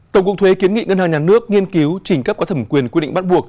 tổng cục thuế kiến nghị ngân hàng nhà nước nghiên cứu trình cấp có thẩm quyền quy định bắt buộc